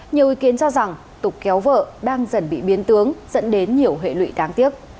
nhiều ý kiến cho rằng tục kéo vợ đang dần bị biến tướng dẫn đến nhiều hệ lụy đáng tiếc